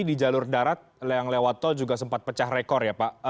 di jalur darat yang lewat tol juga sempat pecah rekor ya pak